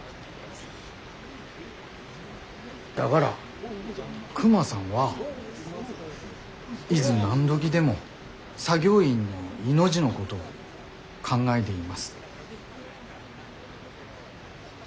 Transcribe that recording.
だがらクマさんはいづ何時でも作業員の命のごどを考えでいます。